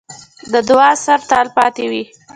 د دعا اثر تل پاتې وي.